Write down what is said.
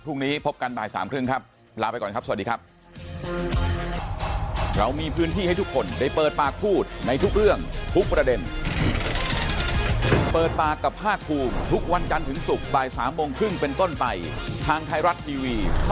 พรุ่งนี้พบกันบ่ายสามครึ่งครับลาไปก่อนครับสวัสดีครับ